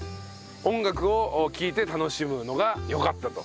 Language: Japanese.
音楽を聴いて楽しむのが良かったと。